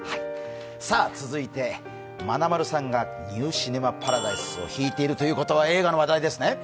続いてまなまるさんが「ニュー・シネマ・パラダイス」を弾いているということは映画の話題ですね？